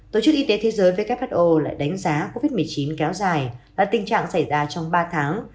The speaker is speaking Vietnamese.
tổ chức y tế thế giới who lại đánh giá covid một mươi chín kéo dài và tình trạng xảy ra trong ba tháng